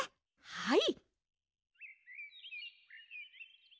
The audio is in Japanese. はい！